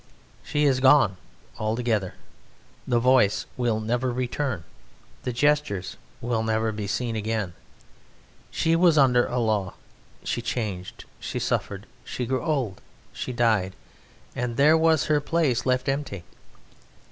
She is gone altogether, the voice will never return, the gestures will never be seen again. She was under a law; she changed, she suffered, she grew old, she died; and there was her place left empty.